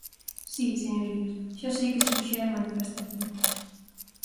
Si, señorías, xa sei que se fixeron manifestacións.